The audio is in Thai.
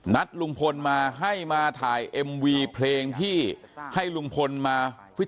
นัดลุงพลมาให้มาถ่ายเอ็มวีเพลงที่ให้ลุงพลมา